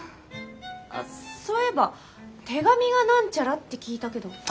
あっそういえば手紙がなんちゃらって聞いたけど。